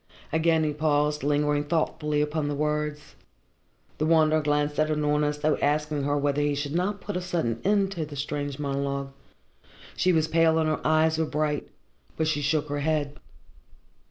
Again he paused, lingering thoughtfully upon the words. The Wanderer glanced at Unorna as though asking her whether he should not put a sudden end to the strange monologue. She was pale and her eyes were bright; but she shook her head.